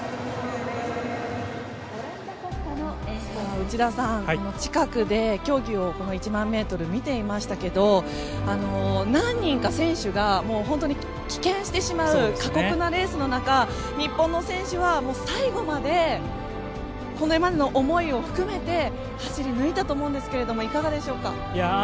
内田さん、近くで競技を１００００ｍ見ていましたけど何人か、選手が棄権してしまう過酷なレースの中日本の選手は最後までこれまでの思いを含めて走り抜いたと思うんですけどいかがでしょうか？